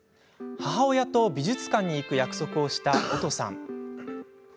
母親と美術館に行く約束をしたおとさん。